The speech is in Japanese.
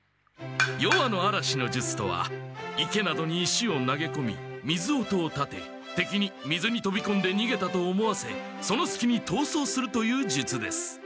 夜半の嵐の術とは池などに石を投げこみ水音を立ててきに水にとびこんでにげたと思わせそのすきにとうそうするという術です。